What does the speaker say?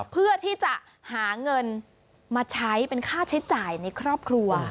เพื่อที่จะหาเงินมาใช้เป็นค่าใช้จ่ายในครอบครัว